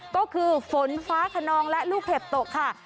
ก็คือฝนฟ้าขนองและลูกเห็บตกค่ะ